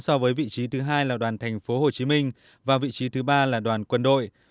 so với vị trí thứ hai là đoàn tp hcm và vị trí thứ ba là đoàn quân đội